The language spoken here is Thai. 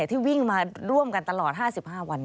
ที่วิ่งมาร่วมกันตลอด๕๕วัน